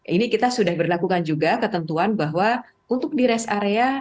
ini kita sudah berlakukan juga ketentuan bahwa untuk di rest area